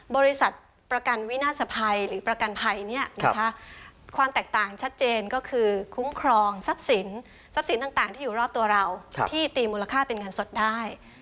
บริษัทประกันวินาศภัยหรือประกันภัยความแตกต่างชัดเจนก็คือคุ้มครองทรัพย์สินทรัพย์สินต่างที่อยู่รอบตัวเราที่ตีมูลค่าเป็นเงินสดได้